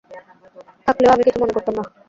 থাকলেও আমি কিছু মনে করতাম নাহ।